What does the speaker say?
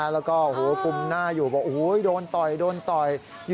แล้วก็ปุ่มหน้าอยู่โดนต่อย